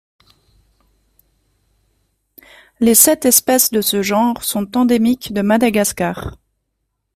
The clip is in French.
Les sept espèces de ce genre sont endémiques de Madagascar.